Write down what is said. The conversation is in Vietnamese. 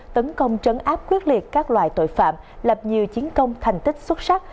tấn công trấn áp quyết liệt các loài tội phạm làm nhiều chiến công thành tích xuất sắc